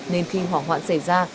nên khi hỏa hoạn xảy ra